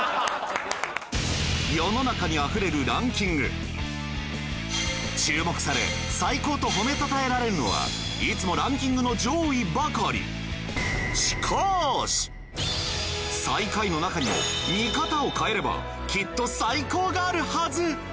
世の中にあふれるランキング注目され最高と褒めたたえられるのはいつもランキングの上位ばかり最下位の中にも見方を変えればきっと最高があるはず